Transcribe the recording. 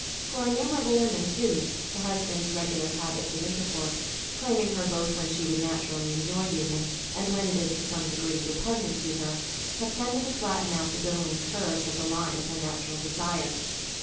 For innumerable women, too the husband's regular habits of intercourse, claiming 28 Married Love her both when she would naturally enjoy union and when it is to some degree repugnant to her, have tended to flatten out the billowing curves of the line of her natural desire.